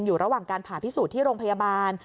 อยู่ระหว่างการผ่าพิสูจน์ที่โรงพยาบาล